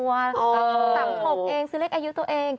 อ่าวตัดตำถบเองซื้อเลขอายุตัวเอง